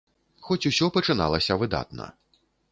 Хоць усё пачыналася выдатна.